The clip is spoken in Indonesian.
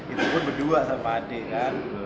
itu pun berdua sama adik kan